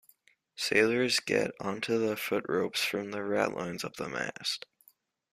Sailors get onto the footropes from the ratlines up the mast.